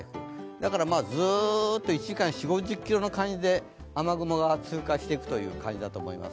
だからずっと１時間４０５０ｋｍの感じで雨雲が通過していく感じです。